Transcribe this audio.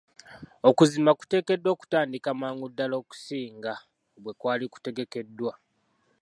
Okuzimba kuteekeddwa okutandika mangu ddaala okusinga bwe kwali kutegekeddwa.